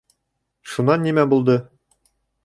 Шунан нимә булды?